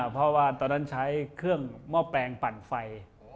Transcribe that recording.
เพราะว่าตอนนั้นใช้เครื่องหม้อแปลงปั่นไฟ